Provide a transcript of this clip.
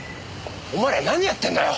お前ら何やってんだよ。